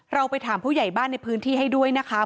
เราไปถามผู้ใหญ่บ้านในพื้นที่ให้ด้วยนะคะ